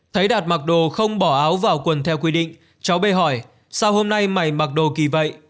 thấy đạt mặc đồ không bỏ áo vào quần theo quy định cháu bê hỏi sau hôm nay mày mặc đồ kỳ vậy